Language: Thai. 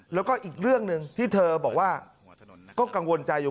แล้วก็อีกเรื่องหนึ่งที่เธอบอกว่าก็กังวลใจอยู่